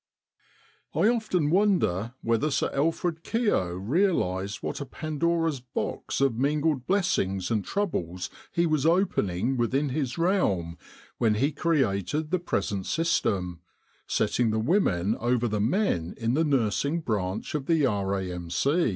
I often wonder whether Sir Alfred Keogh realised what a Pandora's Box of mingled blessings and troubles he was opening within his realm when he created the present system, setting the women over the men in the nursing branch of the R.A.M.